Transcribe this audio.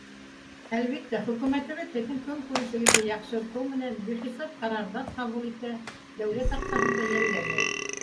Әлбиттә, Хөкүмәтебеҙ һеҙҙең көнкүрешегеҙҙе яҡшыртыу менән бихисап ҡарарҙар ҡабул итә, дәүләт аҡсаһын да йәлләмәй.